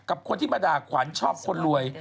กับคนที่มาด่าขวัญชอบคนรวย